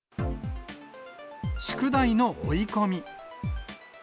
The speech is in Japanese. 宿題の追い込み。